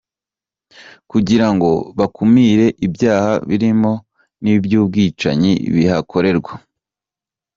Kugirango bakumuire ibyaha birimo n’iby’ubwicanyi bihakorerwa.